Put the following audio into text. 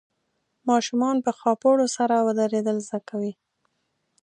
ماشومان په خاپوړو سره ودرېدل زده کوي.